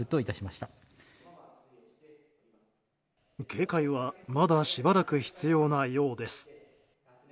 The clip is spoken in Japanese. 警戒はまだしばらく必要なようです。